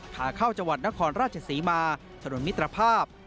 ขาเข้าจังหวัดนครราชศรีมาถนนมิตรภาพ